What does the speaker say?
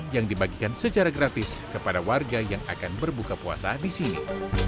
yang dibagikan secara gratis kepada warga yang akan berbuka puasa di sini